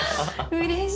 うれしい。